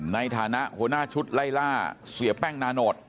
ในฐานะหัวหน้าชุดไล่ล่าเสียแป้งนาโนต